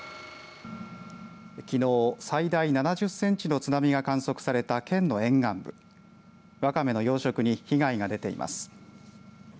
きのう、最大７０センチの津波が観測された県の沿岸部ワカメの養殖に被害が出ています。